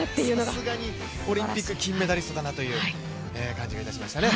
さすがにオリンピック金メダリストだなという感じがいたしましたね。